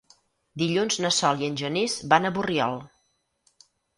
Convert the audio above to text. Dilluns na Sol i en Genís van a Borriol.